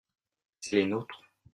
C’est les nôtres.